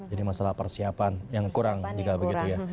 jadi masalah persiapan yang kurang juga begitu ya